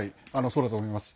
そうだと思います。